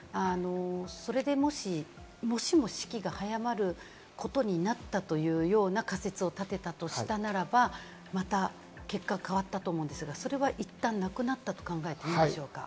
それで、もし死期が早まることになったというような仮説を立てたとしたならば、また結果が変わったと思うんですが、それはいったん、なくなったと考えていいんでしょうか？